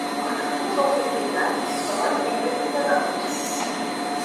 Akıllı sohbetinden salak gülmesinden anlaşılır.